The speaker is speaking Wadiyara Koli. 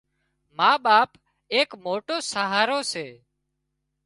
ما ٻاپ ايڪ موٽو سهارو سي